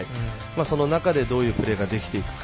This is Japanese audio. その中でどういうプレーができていくか。